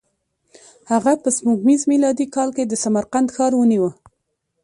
هغه په سپوږمیز میلادي کال کې د سمرقند ښار ونیو.